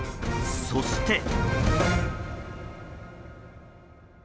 そして。